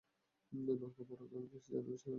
নৌকা বড় গাঙ দিয়ে যাবে সোনাপোতার বিলে।